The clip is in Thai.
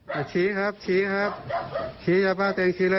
เปิดประตูเปิด